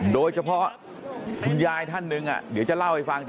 โดยเฉพาะคุณยายท่านหนึ่งเดี๋ยวจะเล่าให้ฟัง